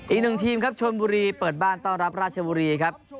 อีกหนึ่งทีมครับชนบุรีเปิดบ้านต้อนรับราชบุรีครับ